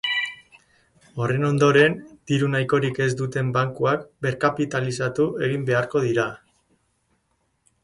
Horren ondoren, diru nahikorik ez duten bankuak berkapitalizatu egin beharko dira.